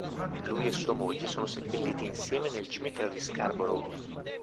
Lui e sua moglie sono seppelliti insieme nel cimitero di Scarborough.